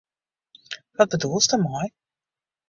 Wat bedoelst dêrmei?